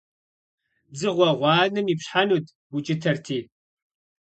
Дзыгъуэ гъуанэм ипщхьэнут, укӀытэрти.